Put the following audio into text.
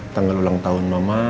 tanggal ulang tahun mama